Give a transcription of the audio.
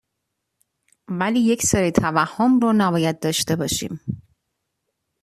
ولی یکسری توهم رو نباید داشته باشیم.